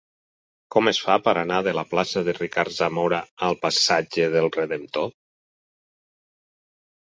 Com es fa per anar de la plaça de Ricard Zamora al passatge del Redemptor?